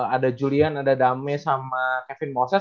ada julian ada dame sama kevin moses